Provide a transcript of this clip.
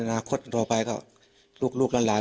อนาคตต่อไปก็ลูกหลาน